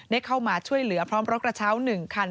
ได้เข้ามาช่วยเหลือพร้อมรกระเช้าหนึ่งคัน